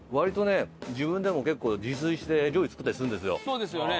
そうですよね。